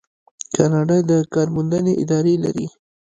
کاناډا د کار موندنې ادارې لري.